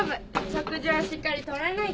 食事はしっかりとらないと。